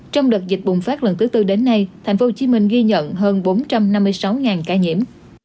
trong đợt dịch bùng phát lần thứ tư đến nay thành phố hồ chí minh ghi nhận hơn bốn trăm năm mươi sáu ca nhiễm